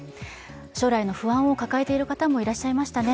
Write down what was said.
将来の不安を抱えてる方もいらっしゃいましたね。